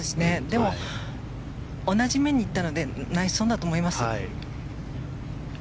でも、同じ面にいったのでナイスオンだと思います。